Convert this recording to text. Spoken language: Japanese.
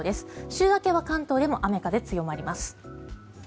週明けは関東でも雨、風強まります。